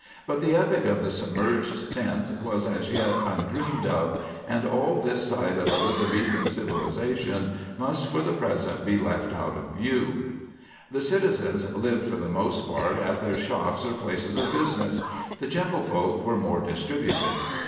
But the epic of the submerged tenth was as yet undreamed of; and all this side of Elizabethan civilization must for the present be left out of view. The citizens lived for the most part at their shops or places of business; the gentlefolk were more distributed.